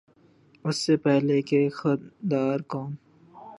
اس سے پہلے کہ "غدار کون؟